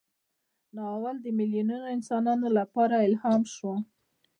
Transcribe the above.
ناول د میلیونونو انسانانو لپاره الهام شو.